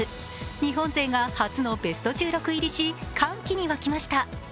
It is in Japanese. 日本勢が初のベスト１６入りし、歓喜に沸きました。